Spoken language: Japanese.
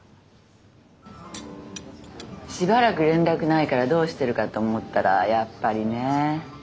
しばらく連絡ないからどうしてるかと思ったらやっぱりね。